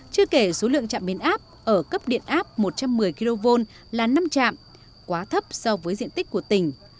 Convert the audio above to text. chưa kể số lượng trạm biến áp ở cấp điện áp một trăm một mươi kv là năm trạm quá thấp so với diện tích của tỉnh